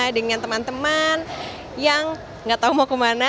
nah saya lagi lagi bersama dengan teman teman yang nggak tahu mau ke mana